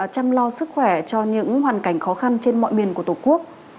giúp đỡ sức khỏe cho những hoàn cảnh khó khăn trên mọi miền của tổ quốc